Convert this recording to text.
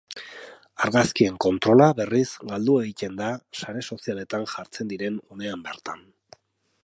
Argazkien kontrola, berriz, galdu egiten da sare sozialetan jartzen diren unean bertan.